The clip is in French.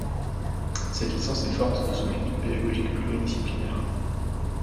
Cette licence est forte de son équipe pédagogique pluridisciplinaire.